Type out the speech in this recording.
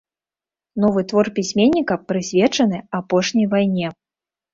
Новы твор пісьменніка прысвечаны апошняй вайне.